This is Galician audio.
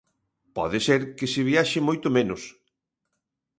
Pode ser que se viaxe moito menos.